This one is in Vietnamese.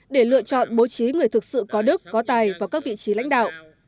để lựa chọn bố trí người thực sự có đức có tài vào các vị trí lãnh đạo